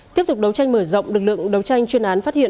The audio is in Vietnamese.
tiếp tục đấu tranh mở rộng lực lượng đấu tranh chuyên án phát hiện